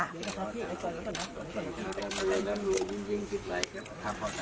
พ่อต่างถ้ามากรุงเทพ